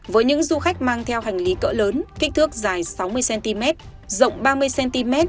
với những du khách mang theo hành lý cỡ lớn kích thước dài sáu mươi cm rộng ba mươi cm